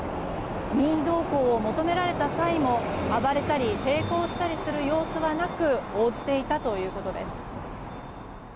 任意同行を求められた際も暴れたり抵抗したりする様子はなく応じていたということです。